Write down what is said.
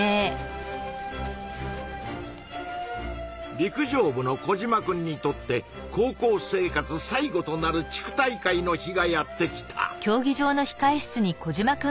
陸上部のコジマくんにとって高校生活最後となる地区大会の日がやって来た。